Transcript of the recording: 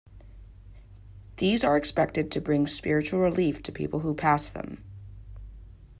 These are expected to bring spiritual relief to people who pass them.